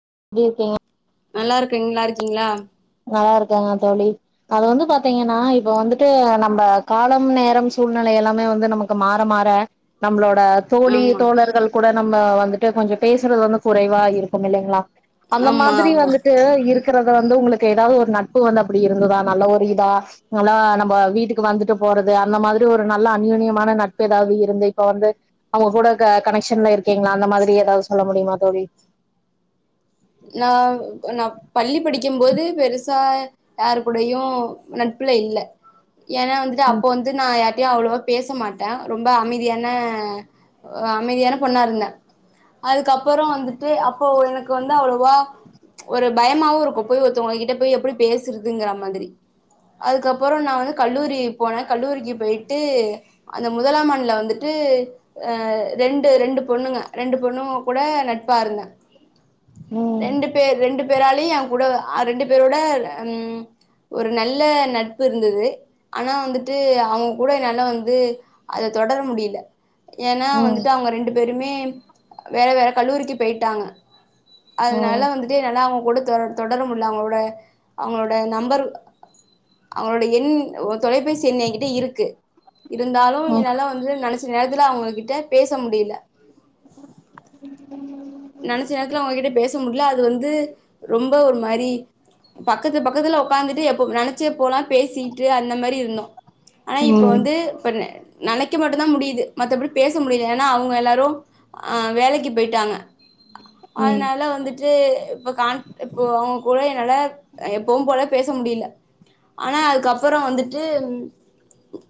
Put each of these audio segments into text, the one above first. எப்படி இருக்கீங்க நல்லா இருக்குங்களா இருக்கீங்களா நல்லா இருக்காங்க தோழி அது வந்து பாாரத்தீங்கன்னா இப்ப வந்துட்டு நம்ம காலம் நேரம் சூழ்நிலை எல்லாமே வந்து நமக்கு மாற மாற நம்மளோட தோழி ஆமா தோழர்கள் கூட நம்ம வந்துட்டு கொஞ்சோ பேசுறது வந்து குறைவா இருக்கும் இல்லைங்களா அந்த ஆமா மாதிரி ஆமா வந்துட்டு இருக்கறத வந்து உங்களுக் க்கு ஏதாவது ஒரு நட்பு வந்து அப்படி இருந்ததா நல்ல ஒரு இதா நல்லா நம்ம வீட்டுக்கு வந்துட்டு போறது அந்த மாதிரி ஒரு நல்ல அநயூனியமான நட்பு ஏதாவது இருந்து இப்ப வந்து அவங்க கூட கனெக்ஷன்ல இருக்கீங்களா அந்த மாதிரி ஏதாது சொல்ல முடியுமா தோழி நான் நான் பள்ளி படிக்கும் போது பெருசா யாரு கூடயையும் நட்புல இல்ல ஏனா வந்துட்டு அப்போ வந்து நா டய்யு அவ்வளோவா பேச மாட்டேன் ரொம்ப அமைதியான அமைதியான பொண்ணா இருந்த அதுக்கப்ரோ வந்துட்டு அப்போ எனக்கு வந்து அவ்வளோவா ஒரு பயமாவும் இருக்கும் போய் ஒருத்தவங்ககிட்ட போய் எப்படி பேசுறதுங்கற மாதிரி அதுக்கப்ரோ நான் வந்து கல்லூரி போனேன் கல்லூரிக்கு போயிட்டு அந்த முதலாமண்ல வந்துட்டு அ ரெண்டு ரெண்டு பொண்ணுங்க ரெண்டு பொண்ணுும் கூட நட்பா இருந்தேன் [unintelligible] ம் ரெண்டு பேர் ரெண்டு பேராலயும் என் கூட ரெண்டு பேரோட உம் ஒரு நல்ல நட்பு இருந்தது ஆனா வந்துட்டு அவங்க கூட என்னால வந்து அத தொடர முடியல ஏனா ம் வந்துட்டு அவங்க ரெண்டு பேருமே வேற வேற கல்லூரிக்கு போயிட்டாங்க அதனால ம் வந்துட்டு என்னால அவங்க குட தொ தொடர மூடில்ல அவங்களோட அவங்களோட நம்பர் அவங்களோட எண் தொலைபேசி எண் என்கிட்ட இருக்கு இருந்தாலும் ம் என்னால வந்து நனச்ச நேரத்துல அவங்ககிட்ட பேச முடியல [unintelligible] நெனைச்ச நேத்துல உங்ககிட்ட பேச முடியல அது வந்து ரொம்ப ஒரு மாரி பக்கத்து பக்கத்துல உக்காந்துட்டு எப்ப நெனைச்ச போலா பேசிட்டு அந்த மாரி இருந்தோ ஆனா இப்ப ம் வந்து பண்ண நெனைக்க மட்டுதா முடியுது மத்தபடி பேச முடியல ஏன்னா அவங்க எல்லாரு அ வேலைக்கு போயிட்டாங்க ம் அதனால வந்துட்டு இப்ப காண் இப்போ அவங்க கூட என்னால எப்பவு போல பேச முடியல ஆனா அதுக்கப்றோ வந்துட்டு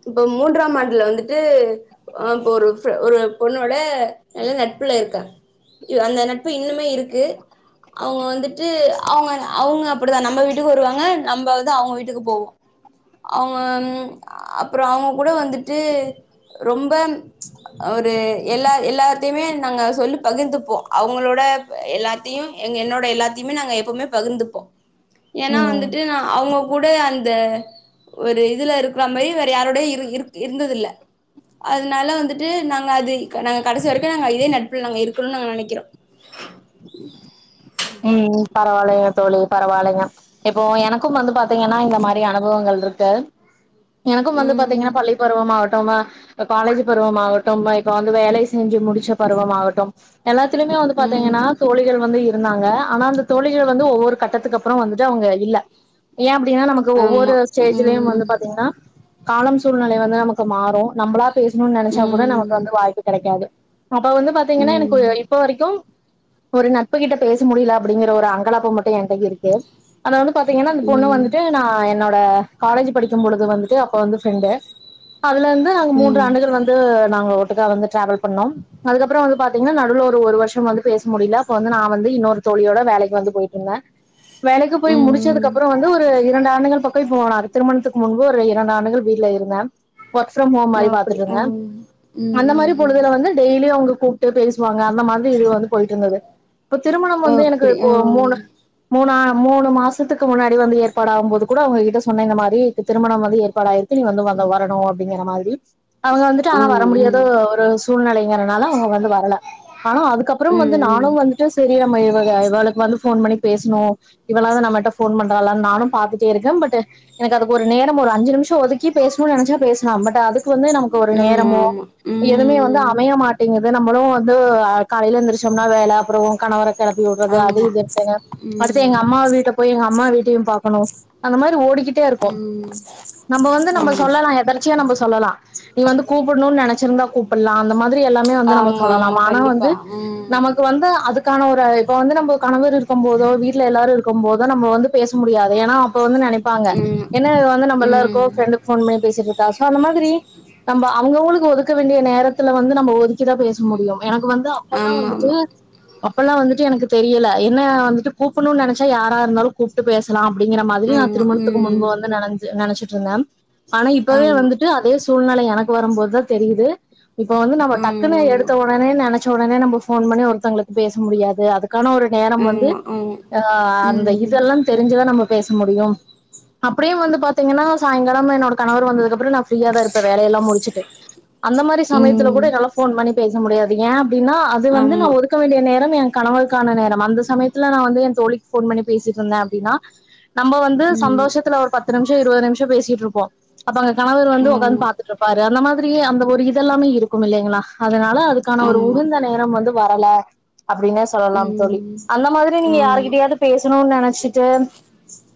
இப்ப மூன்றாம் ஆண்டுல வந்துட்டு இப்ப ஒரு ஒரு பொண்ணோட நல்ல நட்புல இருக்க அந்த நட்பு இன்னுமே இருக்கு அவுங்க வந்துட்டு அவுங்க அவுங்க அப்டிதா நம்ம வீட்டுக்கு வருவாங்க நம்ப வந்து அவுங்க வீட்டுக்கு போவோ அவுங்க அப்றோ அவுங்க கூட வந்துட்டு ரொம்ப ஒரு எல்லா எல்லாத்தையுமே நாங்க சொல்லு பகிர்ந்துப்போ அவுங்களோட எல்லாத்தையு எங்க என்னோட எல்லாத்தையுமே நாங்க எப்பவுமே பகிர்ந்துப்போ ஏன்னா ம் வந்துட்டு நா அவுங்க கூட அந்த ஒரு இதுல இருக்கிற மாரி வேற யாரோடையு இரு இருக் இருந்ததில்ல அதனால வந்துட்டு நாங்க அது நாங்க கடைசி வரைக்கு நாங்க இதே நட்புல நாங்க இருக்கணும்னு நாங்க நெனைக்கிறோ [inaudible] ம் பரவால்லைய தோழி பரவாயில்லைங்க இப்போ எனக்கும் வந்து பாத்தீங்கன்னா இந்த மாரி அனுபவங்கள் இருக்கு எனக்கும் வந்து ம் பாத்தீங்கன்னா பள்ளிப்பருவமாகாட்டுமா காலேஜ் பருவம் ஆகட்டும் இப்ப வந்து வேலை செஞ்சு முடிச்ச பருவம்மாகட்டும் எல்லாத்தலயுமே வந்து பாத்தீங்கன்னா ம் தோழிகள் வந்து இருந்தாங்க ஆனா அந்த தோழிகள் வந்து ஒவ்வொரு கட்டத்துக்கு அப்றோ வந்துட்டு அவுங்க இல்ல ஏ அப் த்தீங்கன்னா நமக்கு ஒவ்வொரு ஆமா ஸ்டேஜலயு ம் வந்து பாத்தீங்கன்னா காலம் சூழ்நிலை வந்து நமக்கு மாறு நம்பளா பேசணுனு நெனைச்சா கூட நமக்கு ம் வந்து வாய்ப்பு கெடைக்காது அப்ப வந்து பாத்தீங்கன்னா எனக்கு ம் இப்ப வரைக்கும் ஒரு நட்புகிட்ட பேச முடியல அப்டிங்கிற ஒரு அங்களாப்பு மட்டு என்கிட்ட இருக்கு அதனால பாத்தீங்கன்னா அந்த பொண்ணு ம் வந்துட்டு நா என்னோட காலேஜ் படிக்கும் பொழுது வந்துட்டு அப்ப வந்து ஃப்ரெண்டு அதுல இருந்து அங்க மூன்று ம் ஆண்டுகள் வந்து நாங்க ஒட் ட்டுகா வந்து டிராவல் பண்ணோம் அதுக்கப்றோ வந்து பாத்தீங்கன்னா நடுவுல ஒரு ஒரு வருஷம் வந்து பேச முடியல இப்ப வந்து நா வந்து இன்னொரு தோழியோட வேலைக்கு வந்து போயிட்டு இருந்தே வேலைக்கு போய் ம் முடிச்சதுக்கு ம் அப்றோ வந்து ஒரு இரண்டு ஆண்டுகள் பக் க்கோ இப்போ நா திருமணத்துக்கு முன்பு ஒரு இரண்டு ஆண்டுகள் வீட்டுல இருந்தே ஒர்க் ஃப்ரம் ஹோம் மாரி அப்டி பாத்துட்டு ஆ இருந்தே ம் ம் அந்த மாரி ம் பொழுதுல வந்து டெய்லியு அவுங்க கூப்பிட்டு பேசுவாங்க அங்க அந்த மாதிரி இது வந்து போயிட்டு இருந்தது இப்ப திருமணம் வந்து எனக்கு அப்டி இப்போ ஆ மூணு மூணா மூணு மாசத்துக்கு முன்னாடி வந்து ஏற்பாடாகும் போது கூட அவுங்ககிட்ட சொன்ன இந்த மாரி திருமணம் வந்து ஏற்பாடாயிரு க்கு நீ வந்து அங்க வரணு அப்டிங்கிற மாரி அவங்க வந்துட்டு ஆ ஆனா வர ம் முடியாத ஒரு சூழ்நிலைங்கறனால அவங்க வந்து வரல ஆனா அதுக்கப்றோ வந்து ம் நானு வந்து சேரி நம்ம இவக இவளளுக்கு வந்து ஃபோன் பண்ணி பேசணு இவளா நம்மகிட்ட ஃபோன் பண்றாலானு நானு பாத்துட்டே இருக்கே பட் எனக்கு அதுக்கு ஒரு நேரம் ஒரு அஞ்சு நிமிஷம் ஒதுக்கி பேசணும்னு நெனைச்சா பேசலாம் பட் அதுக்கு வந்து நமக்கு ஒரு நேரமோ ம் எதுவுமே வந்து அமைய மாட்டேங்குது நம்மளு வந்து காலையில எழுந்தருச்சோம்னா வேல அப்றோ கணவர கெளப்பி வுடுறது அது ஆமா ஆமா ம் ஆமா இதுண்டுங்க அடுத்து எங்க அம்மா ம் வீட்ட போய் எங்க அம்மா வீட் டையு பாக்கணு அந்த மாரி ஓடிக்கிட்டே இருக்கோ நம்ம வந்து நம்ம ம் சொல்லலா எதர்ச்சியா நம்போ சொல்லலா நீ வந்து கூப்பிடும்னு நெனைச்சிருந்தா கூப்பில்லா அந்த மா திரி எல்லாமே ஆமா ஆமா வந்து நம்ம ஆமா சொல்லலாம் ஆனா கண்டிப்பா வந்து ம் நமக்கு வந்து அதுக்கான ஒரு இப்ப வந்து நம்போ கணவர் இருக் கும் போதோ வீட்டுல எல்லாரு இருக்கு போதோ நம்ம வந்து பேச முடியாது ஏன்னா அப்ப வந்து நெனை இருப்பாங்க ம் என்ன வந்து நம்ம எல்லாருக்கோ ம் ஃபிரெண்டுக்கு போன் பண்ணி பேசிட்ருக் நா சோ அந்த மாதிரி நம்ம அவங்கவுங்களுக்கு ஒதுக்க வேண்டிய நேரத்துல வந்து நம்ம ஒதுக்கிதா பேச முடியு எனக்கு வந்து அப்பல்லா ஆமா வந்துட்டு அப்பல்லா வந்துட்டு எனக்கு தெரியல என்ன வந்துட்டு கூப்பிடணும்னு நினைச்சா யாரா இருந்தாலு கூப்புட்டு பேசலா அப்படிங்கிற மாதிரி நா ஆமா ஆமா திருமணத்துக்கு ம் முன்பு வந்து நனஞ் நனைச்சிட்டு இருந்தே ஆனா இப்பவே ஆமா வந்துட்டு அதே சூழ்நிலை எனக்கு வரும்போதா தெரியுது இப்ப வந்து நம்ம டக்குனு ஆமா எடுத்த ஒடனே நெனைச் ச ஒடனே நம்ப போன் பண்ணி ஒருத்தங்களுக்கு பேச முடியாது அதுக் அதுக்கான ஒரு நேரம் வந்து ஆமா ஆமா ஆமா ஆ அந்த ம் இதெல்லா தெரிஞ்சிதா நம்ம பேசு முடியு அப்டியே வந்து பாத்தீங்கன்னா சாய்ங்காலம் என்னோட கணவர் வந்ததுக்கப்பறோ நா பிரீயா தா இருப்பே வேலையெல்லா முடிச்சுட்டு அந்த மாரி சமயத்துல ம் கூட என்னால போன் பண்ணி பேச முடியாது ஏ அப்டின்னா அது வந்து நா ஆமா ஒதுக் நேரம் என் கணவருக்கான நேரம் அந்த சமயத்துல நா வந்து என் தோழிக்கு போன் பண்ணி பேசிட்டு இருந்தே அப்டின்னா நம்ம வந்து ம் சந்தோஷத்துல ஒரு பத்து நிமிஷோ இருபது நிமிஷோ பேசிட்ருப்போ அப்ப அங்க கணவர் வந்து ஒக்காந்து ஆமா பாத்துட்ருப்பாரு அந்த மாதிரியே அந்த ஒரு இது எல்லாமே இருக்கம் இல்லலைங்களா அதனால அதுக்கான ஒரு ஆமா உகுந்த நேரம் வந்து வரல அப்டின்னே சொல்லலாம் தோழி ம் அந்த மாதிரி நீங்க ஆமா யாருகிட்டயாவது பேசணும்னு நெனச்சிட்டு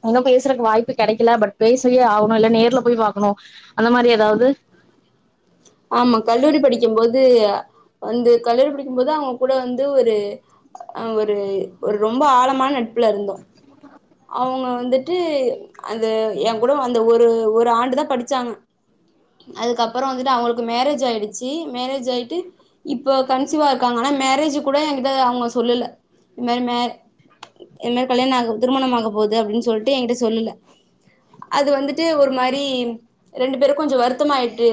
இன்னு பேசுறக்கு வாய்ப்பு கெடைக்கல பட் பேசியே ஆகணு இல்ல நேர்ல போய் பாக்கணு அந்த மாரி ஏதாவது ஆமா கல்லூரி படிக்கும்போது வந்து கல்லூரி படிக்கும் போது அவங்க கூட வந்து ஒரு ஆ ஒரு ஒரு ரொம்ப ஆழமான நட்புல இருந்தோ அவுங்க வந்துட்டு அந்த ஏ கூட அந்த ஒரு ஒரு ஆண்டுதா படிச்சாங்க அதுக்கப்பறோ வந்துட்டு அவுங்களுக்கு மேரேஜ் ஆயிடுச்சி மேரேஜ் ஆயிட்டு இப்ப கன்சிவா இருக்காங்கா ஆனா மேரேஜ் கூட எங்கிட்ட அவுங்க சொல்லல இது மாரி மே இது மாரி கல்யாணோ ஆக திருமணமாக போகுது அப்டின்னு சொல்ட்டு எங்கிட்ட சொல்லல அது வந்துட்டு ஒரு மாரி ரெண்டு பேருக் கொஞ்சோ வருத்தமாயிட்டு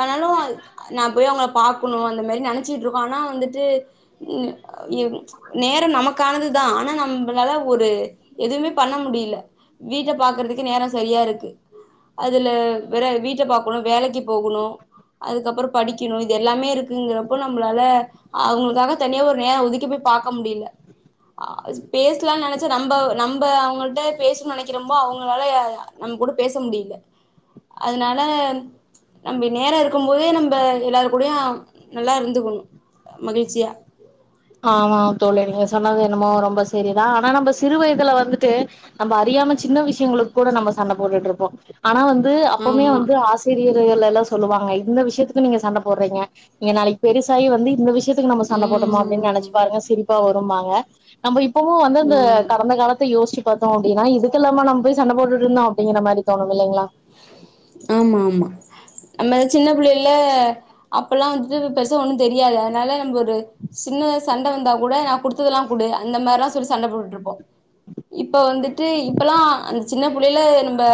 ஆனாலு நா போய் அவுங்கள பாக்கணு அந்த மாரி நெனைச்சீட்டுருக்கோ ஆனா வந்துட்டு ன் ம் நே நேர நமக்கானதுதா ஆனா நம்பளால ஒரு எதுவுமே பண்ண முடில வீட்ட பாக்குறதுக்கே நேரோ சரியா இருக்கு அதுல வேற வீட்ட பாக்கணு வேலக்கி போகணு அதுக்கப்பறோ படிக்கணு இது எல்லாமே இருக்குங்கிறப்போ நம்மளால அவுங்களுக்காக தனியா ஒரு நேரோ ஒதுக்கி பொய் பாக்க முடில ஆ பேசலான்னு நெனைச்சா நம்ப நம்ப அவங்கள்ட்ட பேசனும்னு நெனைக்கிறம்போ அவுங்களால நம்ம கூட பேச முடில அதனால நம்ப நேரோ இருக்கும் போதே நம்ப எல்லாரு கூடயு நல்லா இருந்துக்கணு மகிழ்ச்சியா ஆமாம் தோழரே நீங்க சொன்னது என்னமோ ரொம்ப செரிதா ஆனா நம்ப சிறு வயதுல வந்துட்டு நம்ப அறி றியாம சின்ன விஷயங்களுக்கு கூட நம்ம சண்ட போட்டுட்ருப்போ ஆனா வந்து அப்பமே ஆமா வந்து ஆசிரியர்கள்லெல்லா சொல் சொல்லுவாங்க இந்த விஷயத்துக்கு நீங்க சண்ட போடுறீங்க நீங்க நாளைக்கி பெருசாயி வந்து இந்த விஷயத்துக்கு நம்ம சண்ட போட்டமா அப் ம் பாருங்க சிரிப்பா வரும்பாங்க நம்ம இப்பவு வந்து அந்த ம் கடந்த காலத்த யோசிச் பாத்தோ அப்டின்னா இதுக்கு எல்லாம நம்ம போய் சண்ட போட்டுட்ருந்தோ அப்படிங்கிறமாரி தோணும் இல்லைங்களா ஆமா ஆமா நம்ம சின்ன பிள்ளேல அப்பெல்லா வந்துட்டு பெருச ஒண்ணு தெரியாது அதனால நம்ப ஒரு சின்னதா சண்ட வந்தா கூட நா குடுத்ததெல்லா குடு அந்த மாரில்லா சொல்லி சண்ட போட்டுட்ருப்போ இப்ப வந்துட்டு இப்பெல்லா அந்த சின்ன புள்ளைளேல நம்ப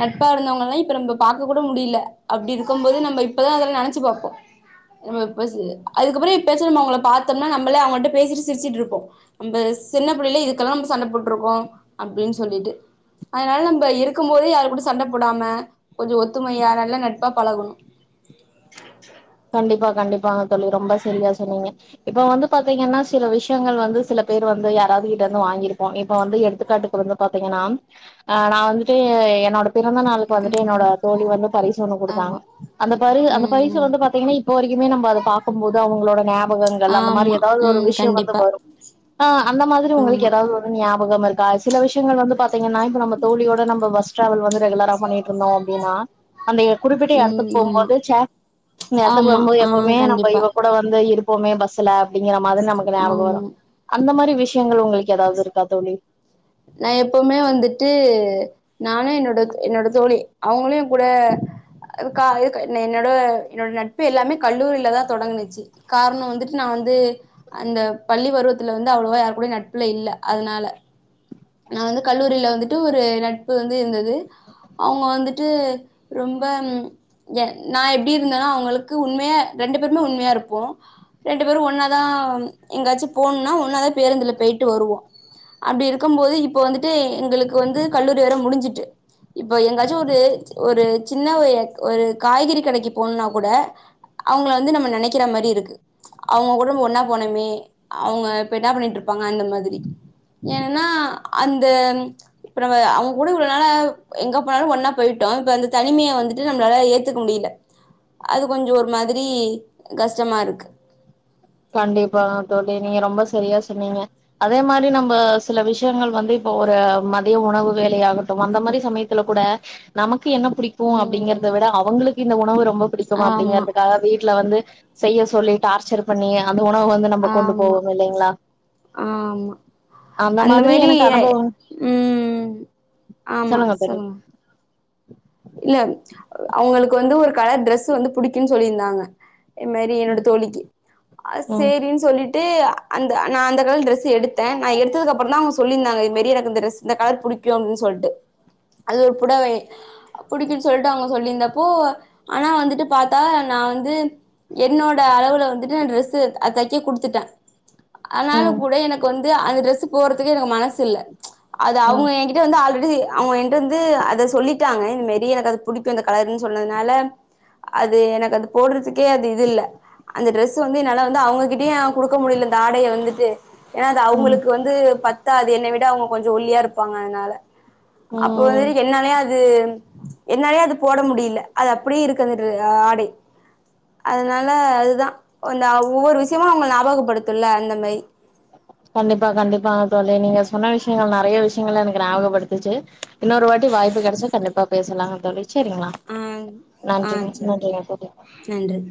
நட்பா இருந்தவங்கல்லா இப் ப நம்ப பாக்க கூட முடில அப்டி இருக்கும் போது நம்ப இப்பதா அதெல்லா நெனைச்சி பாப்போ நம்ம இப்ப சி அதுக்கப்பறோ எப்பயாச்சு நம்ம அவுங்கள பாத்தோம்னா நம்மளே அவங்கள்ட்ட பேசிட்டு சிரிச்சிட்ருப்போ நம்ப சின்ன புள்ளேல இதுக்கெல்லா நம்ம சண்ட போட்டுருக்கோ அப்டின் சொல்லிட்டு அதனால நம்ம இருக்கும் போதே யாருகூடயு சண்ட போடாம கொஞ்சோ ஒத்துமையா நல்லா நட்பா பழகணு கண்டிப்பா கண்டிப்பாங்க தோழி ரொம்ப சரியா சொன்னீங்க இப்ப வந்து பாத்தீங்கன்னா சில விஷயங்கள் வந்து சில பேர் வந்து யாராவது கிட்ட இருந்து வாங்கியிருப்போ இப்ப வந்து எடுத்துக்காட்டுக்கு வந்து பாத்தீங்கன் னாம் ஆ நா வந்துட்டு என்னோட பிறந்த நாளுக்கு வந்துட்டு என்னோட ம் தோழி வந்து பரிசு ஒண்ணு ஆமா குடுத்தாங்க அந்த பரி அந்த ம் பரிசு ம் வந்து பாத் தேங்கே இப்போ வரைக்குமே நம்ம அத பாக்கும் போது அவுங்களோட ஞாபகங்கள் அந்த மாரி ஆமா ஏதாவது ஒரு ம் விஷ்யோ வந்து கண்டிப்பா வரு ஆ அந்த மாரி உங்களுக்கு ஆமா ஏதாவது ஒரு ஞாபகமிருக்கா சில விஷ்யங்கள் வந்து பாத் பாத்தீங்ன்னா இப்ப நம்ம தோழியோட நம்ம பஸ் டிராவல் வந்து ரெகுலரா பண்ணிட்டுருந்தோ அப்டின்னா அந்த ஏ குறிப்பிட்ட எடத்துக்கு ம் ஆமா போம்போது ச்ச இந்த எடத்துக்கு ஆமா வரும்போது ஆ எப்பவுமே நம்ப கண்டிப்பா இவ கூட வந்து போயிருப்போமே பஸ்ல அப்டிங்கிற மாரி நமக்கு ஞாபகோ வரு ஆமா அந்த மாரி விஷ்யங்கள் உங்களுக்கு ஏதாவது இருக்கா தோழி நா எப்பவுமே வந்துட்டு நானு என்னோட என்னோட தோழி அவுங்களையு கூட அதுக்கா அதுக்கு என்னை என்னோட நட்பு எல்லாமே கல்லூரியிலதா தொடங்கனுச்சு காரணோ வந்துட்டு நா வந்து அந்த பள்ளி பருவத்துல வந்து அவ்ளோவா யாரு கூடயு நட்புல இல்ல அதனால நா வந்து கல்லூரியில வந்துட்டு ஒரு நட்பு வந்து இருந்தது அவங்க வந்துட்டு ரொம்ப ம் எ நா எப்டி இருந்தனா அவுங்களுக்கு உண்மையா ரெண்டு பேருமே உண்மையாருப்போ ரெண்டு பேரு ஒன்னா தா எங்காச்சு போணுனா ஒன்னா தா பேருந்துல பெய்ட்டு வருவோ அப்டி இருக்கும் போது இப்ப வந்துட்டு எங்களுக்கு வந்து கல்லூரி வேற முடிஞ்சுட்டு இப்போ எங்காச்சு ஒரு ஒரு சின்ன ஒரு ஒரு காய்கறி கடைக்கி போணுனா கூட அவங்கள வந்து நம்ம நெனைக்கிற மாரி இருக்கு அவங்க கூட நம்ம ஒண்ணா போனமே அவங்க இப்ப என்ன பண்ணிட்டுருப்பா ப்பாங்க அந்த மாதிரி ஏனா அந்த இப்ப நம்ப அவுங்க கூட இவ்ளோ நாளா எங்க போனாலு ஒன்னா போயிட்டோ இப்ப அந்த தனிமைய வந்துட்டு நம்மளால ஏத்துக்க முடி இல்ல அது கொஞ்சோ ஒரு மாதிரி கஷ்டமாருக்கு கண்டிப்பாங்க தோழி நீங்க ரொம்ப சரியா சொன்னீங்க அதே மாரி நம்ப சில விஷ்யங்கள் வந்து இப்போ ஒரு மதிய உணவு வேலையாகட்டு அந்த மாரி சமயத்துல கூட நமக் கு என்ன புடிக்கு ம் அப்டிங்கறத விட அவுங்களுக்கு இந்த உணவு ரொம்ப புடிக்குமா ஆமா அப்டிங்கறதுக்காக வீட்ல வந்து செய்ய சொல்லி டார்ச்சர் பண்ணி அந்த உணவு வந்து நம்ம கொண்டு போவோ இல்லைங்ளா ஆ ஆமா அந்த மாரி எனக்கு அனுபவம் ம் ஆமா சொல்லுங்க இல்ல அவங்களுக்கு வந்து ஒரு கலர் ட்ரெஸ்ஸு வந்து புடிக்குன்னு சொல்லியிருந்தாங்க இது மாதிரி என்னோட ம் தோழிக்கி அ ம் சேரின் சொல்லி ட்டு அந்த நா அந்த கலர் ட்ரெஸு எடுத்த நா எடுத்ததுக்கு அப்றோ தா அவங்க சொல்லிருந்தாங்க இந் மேரி இந்த ட்ரெஸ் இந்த கலர் புடி இப்பயு அவுங்கனு சொல்ட்டு அது ஒரு புடவை அ புடிக்குன்னு சொல்லிட்டு அவங்க சொல்லியிருந்தப்போ ஆனா வந்துட்டு பாத்தா நா வந்து என்னோட அளவுல வந்துட்டு நா ட்ரெஸ்ஸு அது தைக்க குடுத்துட்ட அதனாலு ம் கூட எனக்கு வந்து அந்த ட்ரெஸ்ஸு போறதுக்கு எனக்கு மனசில்ல அது ம் அவங்க என்கிட்ட வந்து ஆல்ரெடி அவங்க என்ட வந்து அத சொல்லிட்டாங்க இது மாரி எனக்கு அது புடிக்கு அந்த கலர்ன்னு சொன்னதுனால அது எனக்கு அது போடுறதுக்கே அது இதுல்ல அந்த ட்ரெஸ் வந்து என்னால வந்து அவங்ககிட்டயு குடுக்க முடியல இந்த ஆடைய வந்துட்டு ஏனா அது ம் அவங்களுக்கு வந்து பத்தாது என்ன விட அவங்க கொஞ்சோ ஒல்லியா இருப்பாங்க அதனால அப்ப ம் வந்துட்டு என்னாலைய அது என்னாலையு அது போட முடியல அது அப்டியே இருக்கு அந்த ஆடை அதனால அதுதா அந்த ஒவ்வொரு விஷயமு அவங்க ஞாபகப்படுத்துல அந்த மாரி கண்டிப்பா கண்டிப்பாங்க தோழி நீங்க சொன்ன விஷ்யங்கள் நறைய விஷ்யங்கள் எனக்கு ஞாபகபடுத் துச்சு இன்னொரு வாட்டி வாய்ப்பு கெடச்சா கண்டிப்பா பேசலாங்க தோழி செரிங்னா ஆ ஆ நன்றிங்க சரி நன்றிங்க தோழி நன்றி